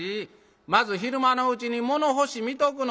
まず昼間のうちに物干し見とくの。